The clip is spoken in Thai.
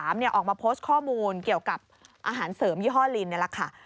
ออกมาโพสต์ข้อมูลเกี่ยวกับอาหารเสริมยี่ห้อลินนี่แหละค่ะ